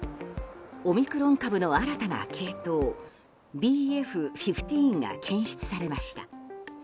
オミクロン株の新たな系統ＢＦ．１５が検出されました。